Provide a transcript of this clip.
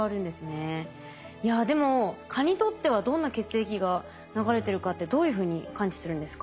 いやでも蚊にとってはどんな血液が流れてるかってどういうふうに感知するんですか？